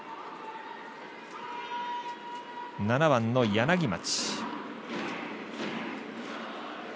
７番の柳町。